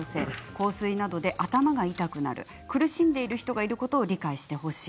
香水などで頭が痛くなる苦しんでいる人がいることを理解してほしい。